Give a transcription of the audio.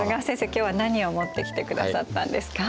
今日は何を持ってきてくださったんですか？